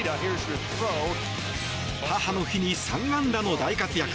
母の日に３安打の大活躍。